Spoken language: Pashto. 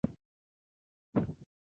په پیل کې په ډېر تکلیف وم خو بیا عادت شوم